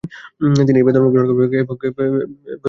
তিনি এই বেদনা গ্রহণ করেন, এবং এটি সাহিত্যে অনুবাদ করেন।